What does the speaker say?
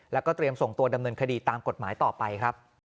แล้วก็เตรียมส่งตัวดำเนินคดีตามกฎหมายต่อไปครับ